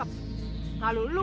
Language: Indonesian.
hei gue kemendan lu